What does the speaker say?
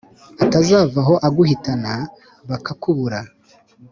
atazavaho aguhitana bakakubura